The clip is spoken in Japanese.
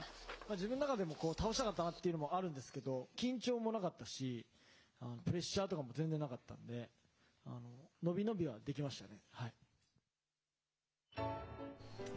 自分の中でも倒したかったというのもあるんですけれども緊張もなかったしプレッシャーとかも全然なかったので伸び伸びはできましたよね。